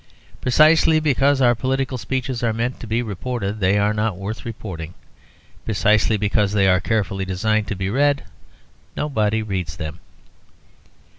Precisely because our political speeches are meant to be reported, they are not worth reporting. Precisely because they are carefully designed to be read, nobody reads them.